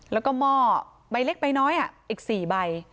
แล้วก็หม้อใบเล็กใบน้อยอีก๔ใบ